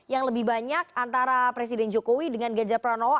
yang lebih banyak antara presiden jokowi dengan ganjar pranowo